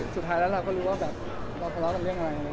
จริงเราอยู่กันเหมือนเพื่อนมากเลยอ่ะค่ะ